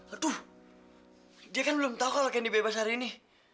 aduh dia kan belum tahu kalau kendi bebas hari ini